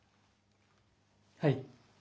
はい。